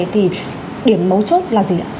thì điểm mấu chốt là gì ạ